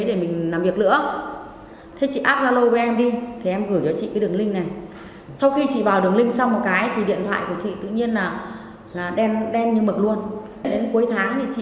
sau khi chị vào đường link xong một cái thì điện thoại của chị tự nhiên là đen như mực luôn